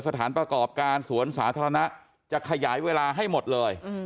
สถานประกอบการสวนสาธารณะจะขยายเวลาให้หมดเลย